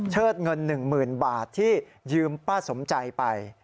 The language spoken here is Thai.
เชิดเงิน๑หมื่นบาทที่ยืมป้าสมชัยไป